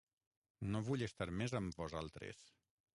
No vull estar més amb vosaltres.